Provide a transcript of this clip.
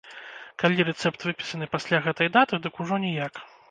Калі рэцэпт выпісаны пасля гэтай даты, дык ўжо ніяк.